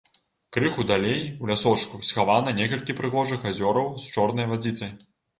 Крыху далей, у лясочку, схавана некалькі прыгожых азёраў з чорнай вадзіцай.